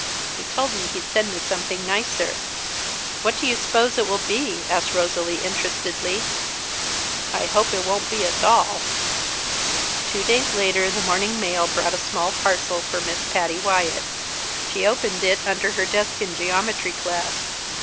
He told me he'd send me something nicer." "What do you s'pose it will be?" asked Rosalie interestedly. "I hope it won't be a doll!" Two days later the morning mail brought a small parcel for Miss Patty Wyatt. She opened it under her desk in geometry class.